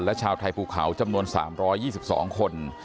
และชาวไทยภูเขาจำนวน๓๒๒คน